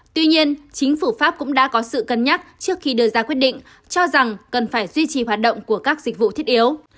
tuy nhiên chính phủ pháp cũng đã có sự cân nhắc trước khi đưa ra quyết định cho rằng cần phải duy trì hoạt động của các dịch vụ thiết yếu